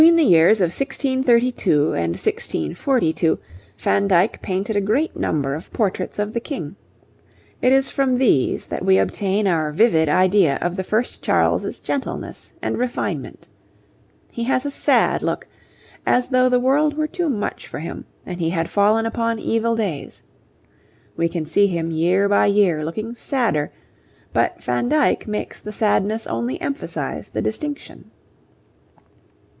Between the years 1632 and 1642, Van Dyck painted a great number of portraits of the King. It is from these that we obtain our vivid idea of the first Charles's gentleness and refinement. He has a sad look, as though the world were too much for him and he had fallen upon evil days. We can see him year by year looking sadder, but Van Dyck makes the sadness only emphasize the distinction.